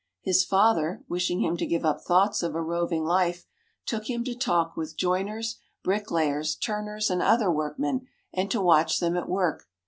His father, wishing him to give up thoughts of a roving life, took him to talk with joiners, bricklayers, turners, and other workmen, and to watch them at work.